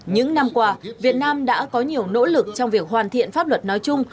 những năm qua việt nam đã có nhiều nỗ lực trong việc hoàn thiện pháp luật nói chung